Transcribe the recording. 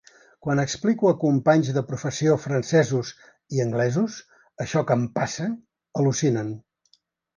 Quan explico a companys de professió francesos i anglesos això que em passa , al·lucinen.